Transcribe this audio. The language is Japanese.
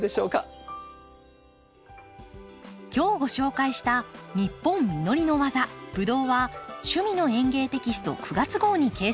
今日ご紹介した「ニッポン実りのわざブドウ」は「趣味の園芸」テキスト９月号に掲載されています。